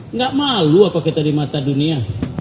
nggak malu apa kita di mata dunia